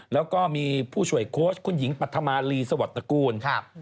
แล้วก็มีผู้ช่วยโค้ชคุณหญิงปัธมารีสวัสตระกูล